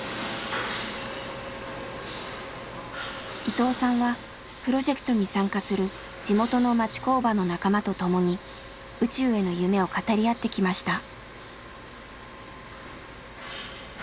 伊藤さんはプロジェクトに参加する地元の町工場の仲間と共に宇宙への夢を語り合ってきました。